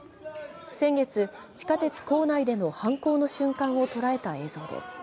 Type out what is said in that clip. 先月、地下鉄構内での犯行の瞬間を捉えた映像です。